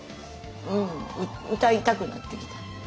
うん歌いたくなってきた。